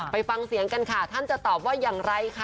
ไปฟังเสียงกันค่ะท่านจะตอบว่าอย่างไรค่ะ